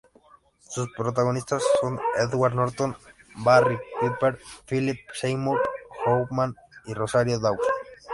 Sus protagonistas son Edward Norton, Barry Pepper, Philip Seymour Hoffman y Rosario Dawson.